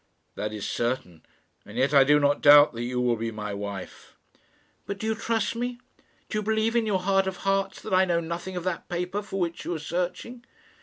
"That is certain; and yet I do not doubt that you will be my wife." "But do you trust me? Do you believe in your heart of hearts that I know nothing of that paper for which you are searching?"